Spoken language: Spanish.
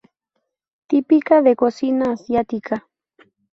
Típica de cocina asiática.